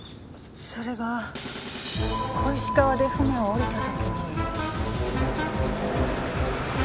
それが小石川で船を降りた時に。